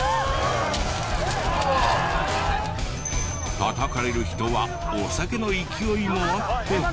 たたかれる人はお酒の勢いもあって。